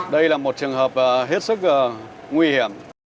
đây là một trường hợp hết sức nguy hiểm